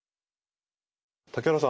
竹原さん